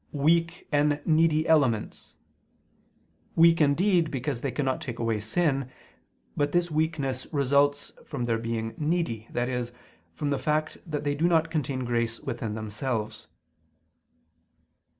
4:9) "weak and needy elements": weak indeed, because they cannot take away sin; but this weakness results from their being needy, i.e. from the fact that they do not contain grace within themselves.